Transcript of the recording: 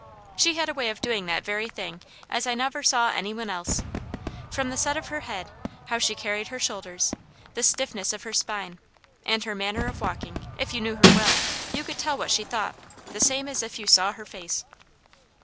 She had a way of doing that very thing as I never saw any one else. From the set of her head, how she carried her shoulders, the stiffness of her spine, and her manner of walking, if you knew her well, you could tell what she thought, the same as if you saw her face.